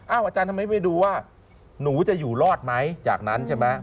อาจารย์ทำไมไม่ดูว่าหนูจะอยู่รอดไหมจากนั้นใช่ไหม